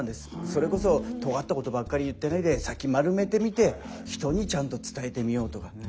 それこそとがったことばっかり言ってないで先丸めてみて人にちゃんと伝えてみようとか。